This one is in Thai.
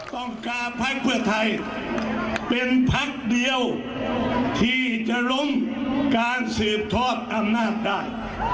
ต้องการพักเพื่อไทยเป็นพักเดียวที่จะล้มการสืบทอดอำนาจได้